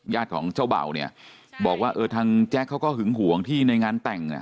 ของเจ้าเบาเนี่ยบอกว่าเออทางแจ๊คเขาก็หึงห่วงที่ในงานแต่ง